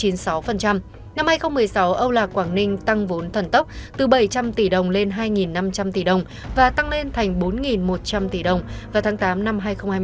năm hai nghìn một mươi sáu âu lạc quảng ninh tăng vốn thần tốc từ bảy trăm linh tỷ đồng lên hai năm trăm linh tỷ đồng và tăng lên thành bốn một trăm linh tỷ đồng vào tháng tám năm hai nghìn hai mươi ba